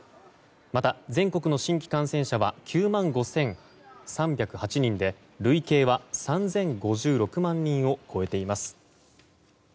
また、全国の新規感染者は９万５３０８人で累計は３０５６万人を超えています。